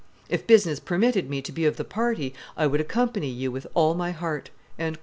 If business permitted me to be of the party, I would accompany you with all my heart."